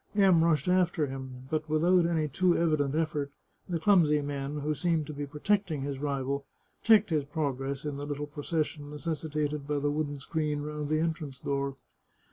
M rushed after him, but, without any too evident effort, the clumsy men, who seemed to be protecting his rival, checked his progress in the little procession necessitated by the wooden screen round the entrance door.